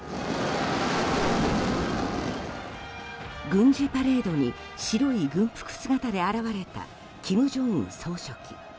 軍事パレードに、白い軍服姿で現れた金正恩総書記。